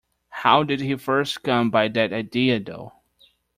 How did he first come by that idea, though?